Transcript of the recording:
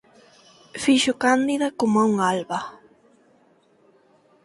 fixo cándida coma un alba.